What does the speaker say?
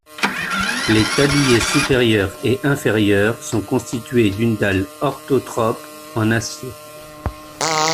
Les tabliers supérieur et inférieur sont constitués d’une dalle orthotrope en acier.